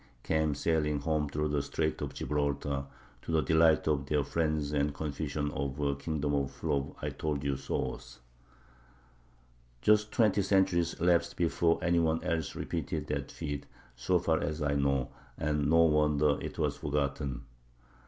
came sailing home through the Strait of Gibraltar, to the delight of their friends and confusion of a kingdom full of I told you sos. Just twenty centuries elapsed before any one else repeated that feat, so far as I know;, and no wonder it was forgotten.